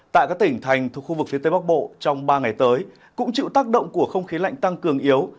tại các tỉnh thành thuộc khu vực phía tây bắc bộ trong ba ngày tới cũng chịu tác động của không khí lạnh tăng cường yếu